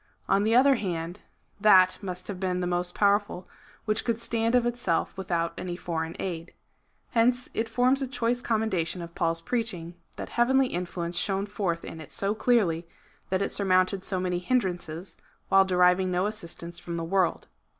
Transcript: On the other hand, that must have been most powerful which could stand of itself without any foreign aid. Hence it forms a choice commendation of Paul's preaching, that heavenly influence shone forth in it so clearly, that it sur mounted so many hindrances, while deriving no assistance from the world.